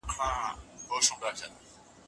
مسلمان ته د نوروز په ورځ تحفه ورکول کفر ندی